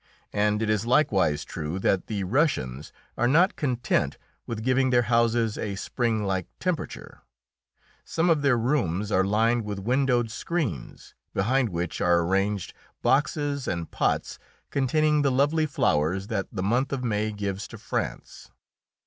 And it is likewise true that the Russians are not content with giving their houses a springlike temperature; some of their rooms are lined with windowed screens, behind which are arranged boxes and pots containing the lovely flowers that the month of May gives to France.